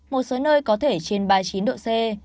một số nơi có thể trên ba mươi chín độ c